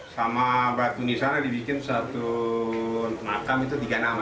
sama batu nisan dibikin satu makam itu tiga nama